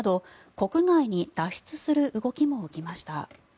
国外に脱出する動きも起きました。